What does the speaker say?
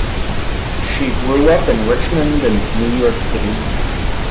She grew up in Richmond and New York City.